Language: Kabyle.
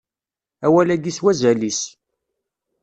Awal-agi s wazal-is.